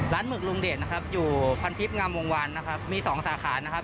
หมึกลุงเดชนะครับอยู่พันทิพย์งามวงวันนะครับมีสองสาขานะครับ